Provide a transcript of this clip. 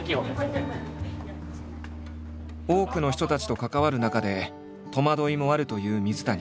多くの人たちと関わる中で戸惑いもあるという水谷。